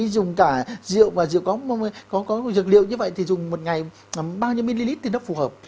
dùng cả rượu và rượu có dược liệu như vậy thì dùng một ngày bao nhiêu ml thì nó phù hợp